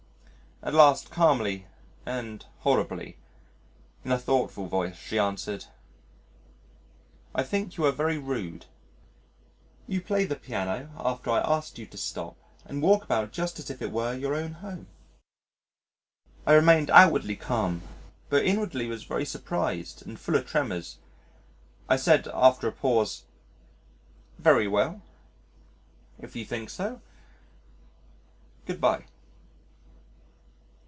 At last calmly and horribly, in a thoughtful voice she answered, "I think you are very rude; you play the piano after I asked you to stop and walk about just as if it were your own home." I remained outwardly calm but inwardly was very surprised and full of tremors. I said after a pause, "Very well, if you think so.... Good bye."